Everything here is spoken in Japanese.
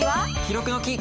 記録の「キ」！